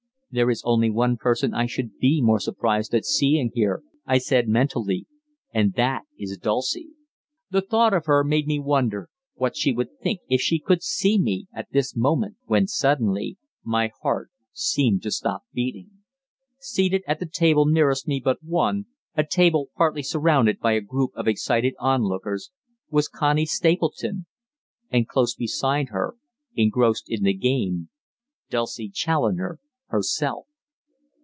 "There is only one person I should be more surprised at seeing here," I said mentally, "and that is Dulcie." The thought of her made me wonder what she would think if she could see me at this moment, when suddenly my heart seemed to stop beating. Seated at the table nearest me but one, a table partly surrounded by a group of excited onlookers, was Connie Stapleton. And close beside her, engrossed in the game, Dulcie Challoner herself!